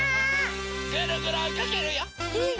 ぐるぐるおいかけるよ！